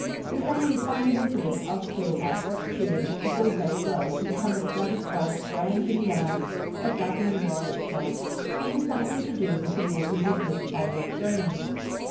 Yet only a tiny rivulet of silver, but soon, if all goes well, to become a flood of gold grand and yellow as that in the Wye itself, having something to do with the waters of this same stream.